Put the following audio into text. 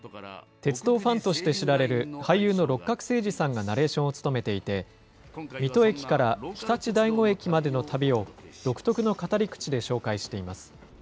鉄道ファンとして知られる俳優の六角精児さんがナレーションを務めていて、水戸駅から常陸大子駅までの旅を、独特の語り口で紹介しています。